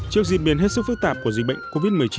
trước diễn biến hết sức phức tạp của dịch bệnh covid một mươi chín